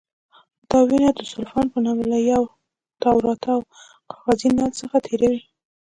دا وینه د سلوفان په نامه له یو تاوراتاو کاغذي نل څخه تېروي.